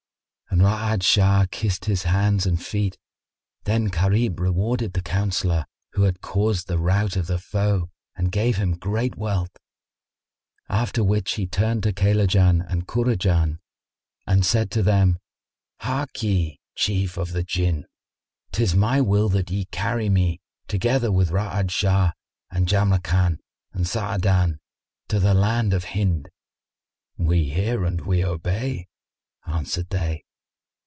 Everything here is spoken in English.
And Ra'ad Shah kissed his hands and feet. Then Gharib rewarded the counsellor who had caused the rout of the foe and gave him great wealth; after which he turned to Kaylajan and Kurajan, and said to them, "Harkye, Chiefs of the Jinn, 'tis my will that ye carry me, together with Ra'ad Shah and Jamrkan and Sa'adan to the land of Hind." "We hear and we obey," answered they.